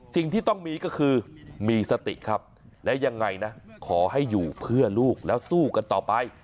สิ่งที่ต้องมีก็คือมีสติครับและยังไงนะขอให้อยู่เพื่อลูกแล้วสู้กันต่อไป